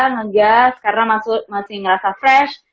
ngegas karena masih ngerasa fresh